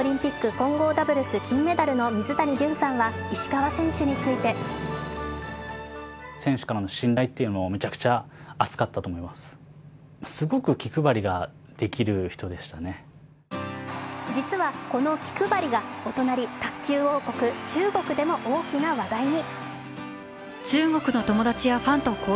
混合ダブルス金メダルの水谷隼さんは石川選手について実はこの気配りがお隣、卓球王国、中国でも大きな話題に。